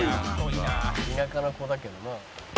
「田舎の子だけどな」